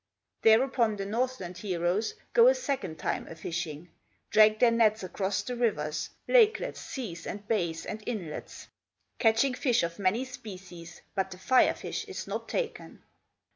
Thereupon the Northland heroes Go a second time a fishing, Drag their nets across the rivers, Lakelets, seas, and bays, and inlets, Catching fish of many species, But the Fire fish is not taken.